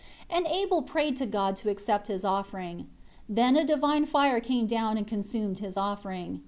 22 And Abel prayed to God to accept his offering. Then a divine fire came down and consumed his offering.